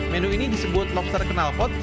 menu ini disebut lobster kenalpot